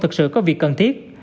thật sự có việc cần thiết